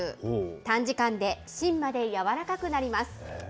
短時間で芯まで軟らかくなります。